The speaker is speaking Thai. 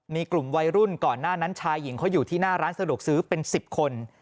มีกลุ่มวัยรุ่นก่อนหน้านั้นชายหญิงเขาอยู่ที่หน้าร้านสะดวกซื้อเป็น๑๐คน